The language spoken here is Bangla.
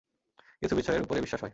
কিছু বিষয়ের উপরে বিশ্বাস হয়।